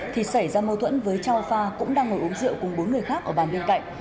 thì xảy ra mâu thuẫn với châu pha cũng đang ngồi uống rượu cùng bốn người khác ở bàn bên cạnh